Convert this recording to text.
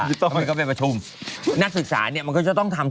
ผมขอให้ก็สอดภาษาลาคคุณสองคน